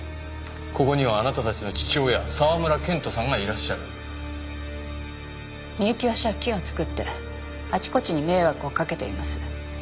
ここにはあなたたちの父親・沢村健人さんがいらっしゃる美雪は借金を作ってあちこちに迷惑をかけています